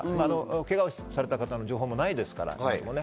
けがをされた方の情報もないですからね。